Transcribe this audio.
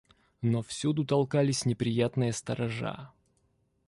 Но всюду толкались неприятные сторожа.